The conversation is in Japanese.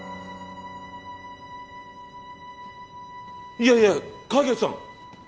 いやいや影さん！